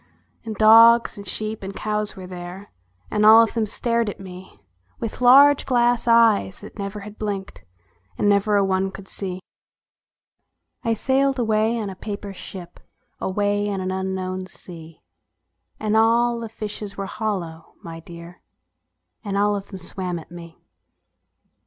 And dogs and sheep and cows were there, And all of them stared at me "With large glass eyes that never had blinked, And never a one could see. I sailed away in a paper ship, Away on an unknown sea ; And all the fishes were hollow, my dear, And all of them swam at me. 76 ANYHOW STORIES.